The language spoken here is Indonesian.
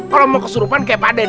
kalau mau keshiropan kayak pak denny